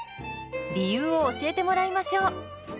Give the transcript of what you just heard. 理由を教えてもらいましょう。